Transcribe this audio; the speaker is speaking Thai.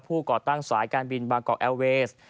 ก่อตั้งสายการบินบางกอกแอร์เวส